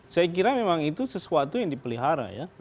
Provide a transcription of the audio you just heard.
saya kira memang itu sesuatu yang dipelihara ya